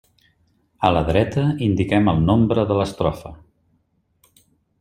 A la dreta indiquem el nombre de l'estrofa.